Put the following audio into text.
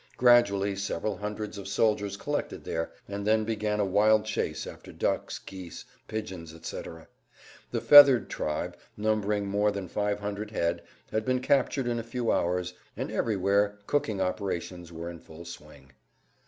Gradually several hundreds of soldiers collected there, and then began a wild chase after ducks, geese, pigeons, etc. The feathered tribe, numbering more than 500 head, had been captured in a few hours, and everywhere cooking operations were in full swing.